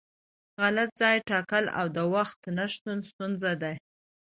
غلط ځای ټاکل او د وخت نشتون ستونزې دي.